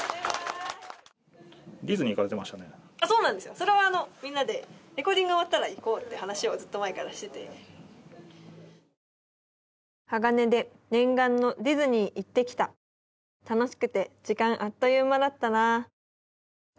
それはみんなでレコーディング終わったら行こうって話をずっと前からしてて「ＨＡＧＡＮＥで念願のディズニー行ってきた！！」「楽しくて時間あっという間だったなー笑」